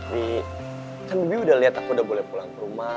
bi kan bibi udah liat aku udah boleh pulang ke rumah